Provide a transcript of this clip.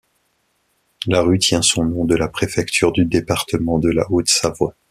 La rue tient son nom de la préfecture du département de la Haute-Savoie.